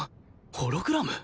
ホログラム？